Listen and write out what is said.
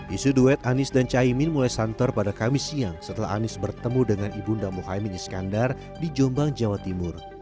isu duet anies dan caimin mulai santer pada kamis siang setelah anies bertemu dengan ibu nda mohaimin iskandar di jombang jawa timur